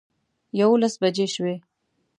یوولس بجې شوې.